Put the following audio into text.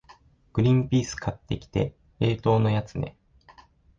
グリンピース買ってきて、冷凍のやつね。